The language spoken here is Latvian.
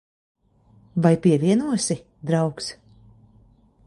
Vai pievienosi, draugs?